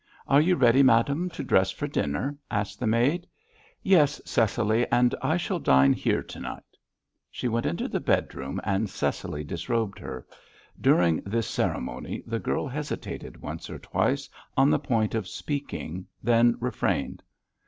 "Are you ready, madame, to dress for dinner?" asked the maid. "Yes, Cecily, and I shall dine here to night." She went into the bedroom, and Cecily disrobed her. During this ceremony the girl hesitated once or twice on the point of speaking, then refrained.